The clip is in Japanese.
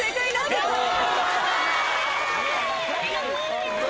ありがとう先生！